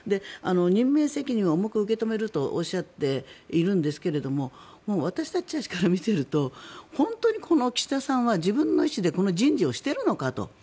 任命責任は重く受け止めるとおっしゃっているんですけども私たちから見ていると本当に岸田さんは自分の意思でこの人事をしているのかと。